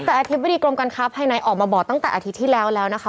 แต่อธิบดีกรมการค้าภายในออกมาบอกตั้งแต่อาทิตย์ที่แล้วแล้วนะคะ